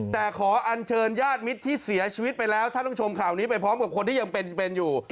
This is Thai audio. แต่ขออัญเชิญญาติมิตรที่เสียชีวิตไปแล้วท่านต้องชมข่าวนี้ไปพร้อมกับคนที่ยังเป็นอยู่